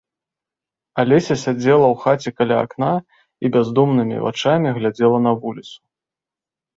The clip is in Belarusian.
Алеся сядзела ў хаце каля акна і бяздумнымі вачамі глядзела на вуліцу.